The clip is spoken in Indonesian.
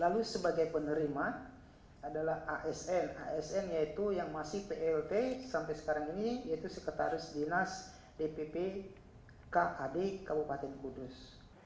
lalu sebagai penerima adalah asn asn yaitu yang masih plt sampai sekarang ini yaitu sekretaris dinas dpp kad kabupaten kudus